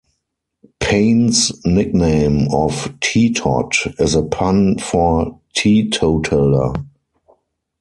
Payne's nickname of "Tee Tot" is a pun for "teetotaler".